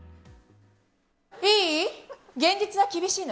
いい？